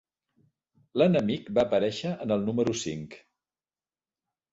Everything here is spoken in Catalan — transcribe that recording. L'enemic va aparèixer en el número cinc.